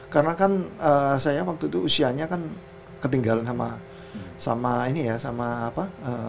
karena kan saya waktu itu usianya kan ketinggalan sama ini ya sama apa